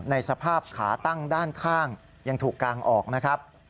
ในสภาพขาตั้งด้านข้างยังถูกกางออกนะครับ